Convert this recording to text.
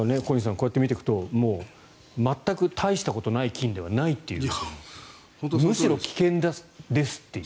こうやって見ていくと全く大したことない菌ではないむしろ危険ですという。